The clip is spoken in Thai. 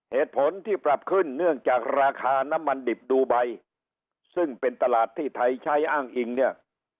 เหตุผลที่ปรับขึ้นเนื่องจากราคาน้ำมันดิบดูไบซึ่งเป็นตลาดที่ไทยใช้อ้างอิงเนี่ย